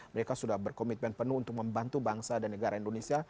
mereka sudah berkomitmen penuh untuk membantu bangsa dan negara indonesia